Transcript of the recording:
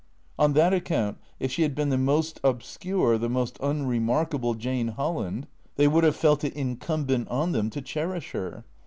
On that account, if she had been the most obscure, the most unremarkable Jane Holland, they would have felt it incumbent on them to cherish her.